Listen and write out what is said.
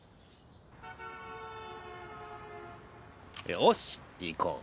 よし行こう。